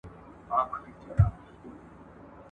زه بايد سفر وکړم!؟